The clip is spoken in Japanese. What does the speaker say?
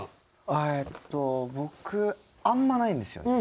あえっと僕あんまないんですよね。